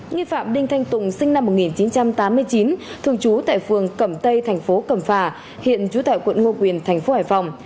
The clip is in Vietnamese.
nghi phạm đinh thanh tùng sinh năm một nghìn chín trăm tám mươi chín thường trú tại phường cẩm tây thành phố cẩm phà hiện trú tại quận ngô quyền thành phố hải phòng